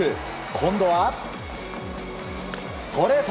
今度は、ストレート。